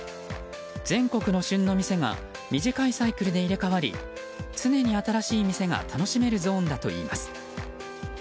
全国の旬の店が短いサイクルで入れ替わり常に新しい店が楽しめるゾーンだといいます。